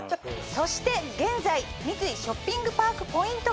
そして現在三井ショッピングパークポイント